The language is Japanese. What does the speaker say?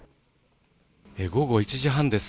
午後１時半です。